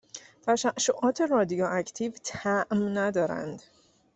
تششعات رادیواکتیو طعم ندارند